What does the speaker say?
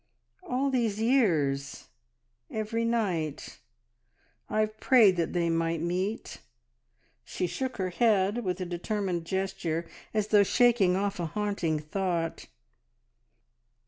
"All these years every night I've prayed that they might meet..." She shook her head with a determined gesture, as though shaking off a haunting thought.